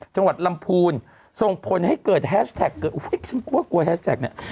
จังหวัดลำพูนส่งผลให้เกิดแฮชแท็กเกิดโอ้โหฉันกลัวกลัวแฮชแท็กเนี่ย